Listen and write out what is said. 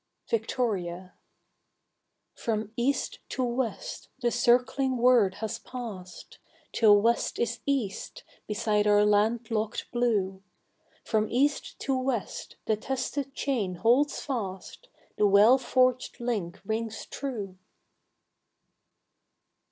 Victoria. From East to West the circling word has passed, Till West is East beside our land locked blue; From East to West the tested chain holds fast, The well forged link rings true!